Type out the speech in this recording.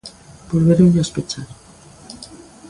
Volvéronllas pechar.